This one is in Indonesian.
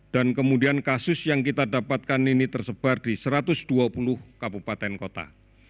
dan kemudian kasus yang kita dapatkan ini tersebar di satu ratus dua puluh kabupaten kota